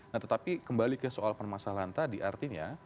nah tetapi kembali ke soal permasalahan tadi artinya